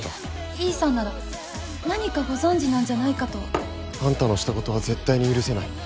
維井さんなら何かご存じなんじゃないかと。あんたのしたことは絶対に許せない。